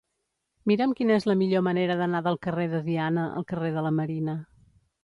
Mira'm quina és la millor manera d'anar del carrer de Diana al carrer de la Marina.